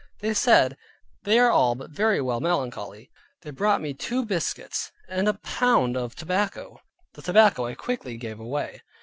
They said, "They are all very well but melancholy." They brought me two biscuits, and a pound of tobacco. The tobacco I quickly gave away.